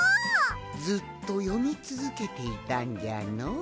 ずっとよみつづけていたんじゃのう。